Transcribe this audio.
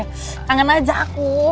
kangen aja aku